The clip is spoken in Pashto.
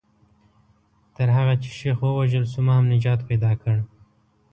تر هغه چې شیخ ووژل شو ما هم نجات پیدا کړ.